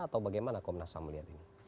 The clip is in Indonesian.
atau bagaimana komnas ham melihat ini